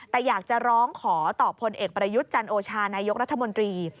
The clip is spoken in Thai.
แต่อยากจะร้องขอต่อพลเอกประยุทธ์จันโอชานายกรัฐมนตรี